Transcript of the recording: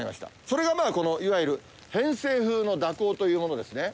それがいわゆる偏西風の蛇行というものですね。